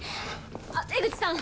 あっ江口さん。